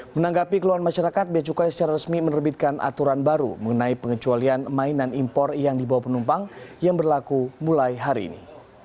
menanggapi keluhan masyarakat beacukai secara resmi menerbitkan aturan baru mengenai pengecualian mainan impor yang dibawa penumpang yang berlaku mulai hari ini